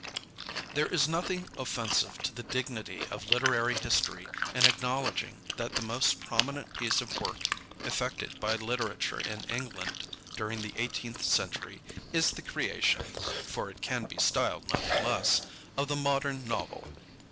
There is nothing offensive to the dignity of literary history in acknowledging that the most prominent piece of work effected by literature in England during the eighteenth century is the creation for it can be styled nothing less of the modern novel.